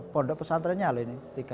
pondok pesantrennya hal ini